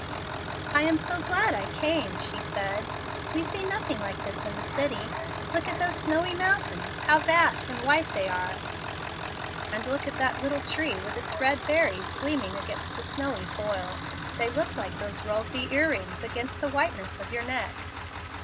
"I am so glad I came!" she said. "We see nothing like this in the city. Look at those snowy mountains. How vast and white they are!" "And look at that little tree with its red berries gleaming against the snowy foil. They look like those rulsy ear rings against the whiteness of your neck."